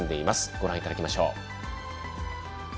ご覧いただきましょう。